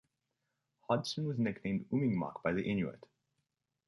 Hodgson was nicknamed "Umingmak" by the Inuit.